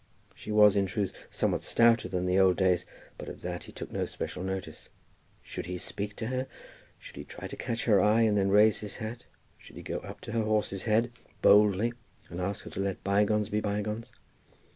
She was, in truth, somewhat stouter than in the old days, but of that he took no special notice. Should he speak to her? Should he try to catch her eye, and then raise his hat? Should he go up to her horse's head boldly, and ask her to let bygones be bygones?